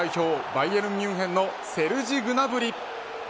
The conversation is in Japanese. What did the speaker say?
バイエルンミュンヘンのセルジ・グナブリ。